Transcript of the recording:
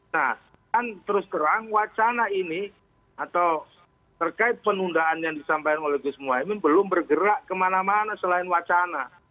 nah kan terus terang wacana ini atau terkait penundaan yang disampaikan oleh gus muhaymin belum bergerak kemana mana selain wacana